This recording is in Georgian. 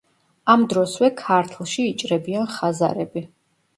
ამ დროსვე ქართლში იჭრებიან ხაზარები.